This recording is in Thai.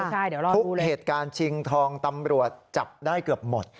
ทุกเหตุการณ์ชิงทองตำรวจจับได้เกือบหมด